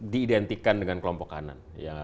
diidentikan dengan kelompok kanan